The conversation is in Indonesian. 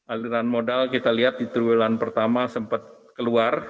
aliran modal kita lihat di triwulan pertama sempat keluar